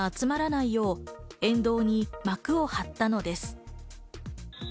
見物客が集まらないよう沿道に幕を張ったのです。